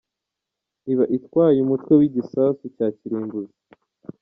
Iba itwaye umutwe w’igisasu cya kirimbuzi.